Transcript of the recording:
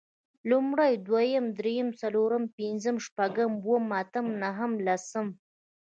لومړی، دويم، درېيم، څلورم، پنځم، شپږم، اووم، اتم، نهم، لسم